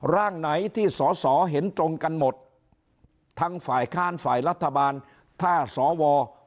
ร่างไหนที่สอสอเห็นตรงกันหมดทั้งฝ่ายค้านฝ่ายรัฐบาลถ้าสว